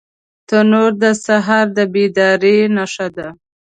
تنور د سهار د بیدارۍ نښه ده